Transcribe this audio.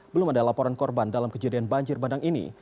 belum ada laporan korban dalam kejadian banjir bandang ini